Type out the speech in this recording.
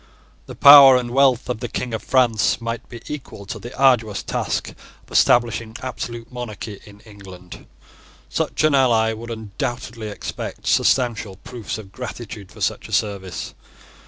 The power and wealth of the King of France might be equal to the arduous task of establishing absolute monarchy in England. Such an ally would undoubtedly expect substantial proofs of gratitude for such a service.